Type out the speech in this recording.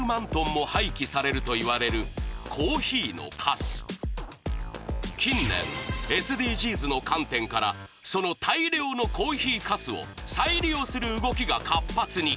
国内で近年ＳＤＧｓの観点からその大量のコーヒーかすを再利用する動きが活発に。